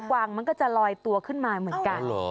วางมันก็จะลอยตัวขึ้นมาเหมือนกัน